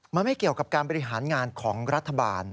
มันไม่เกี่ยวกับการบริหารงานของรัฐบาล